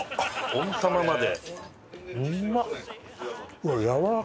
温玉まで。